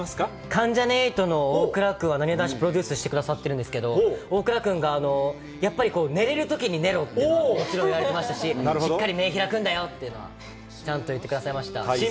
関ジャニ∞の大倉君は、なにわ男子、プロデュースしてくださってるんですけれども、大倉君が、やっぱり寝れるときに寝ろって、もちろん言われてましたし、しっかり目開くんだよっていうのは、ちゃんと言ってくださいました。